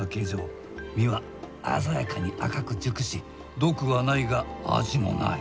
実は鮮やかに赤く熟し毒はないが味もない。